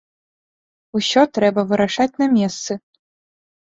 Усё трэба вырашаць на месцы.